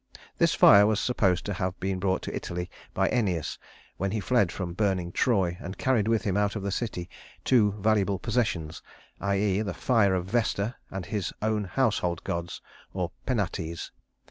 This fire was supposed to have been brought to Italy by Æneas when he fled from burning Troy and carried with him out of the city two valuable possessions, i.e. the fire of Vesta and his own household gods or Penates.